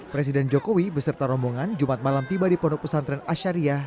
presiden jokowi beserta rombongan jumat malam tiba di pondok pesantren asyariah